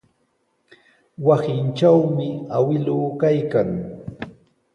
Wasintrawmi awkilluu kaykan.